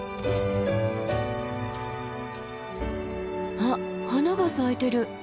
あっ花が咲いてる。